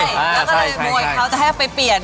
แล้วก็เลยโวยเขาจะให้ไปเปลี่ยน